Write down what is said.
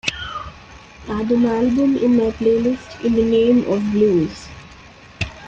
add an album in my playlist In The Name Of Blues